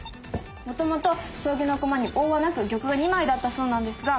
もともと将棋の駒に王はなく玉が２枚だったそうなんですが。